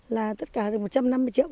là tất cả được một trăm năm mươi triệu